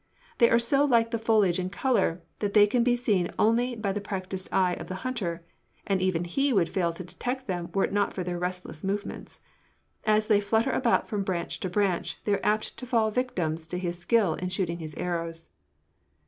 They are so like the foliage in color that they can be seen only by the practiced eye of the hunter, and even he would fail to detect them were it not for their restless movements. As they flutter about from branch to branch they are apt to fall victims to his skill in shooting his arrows."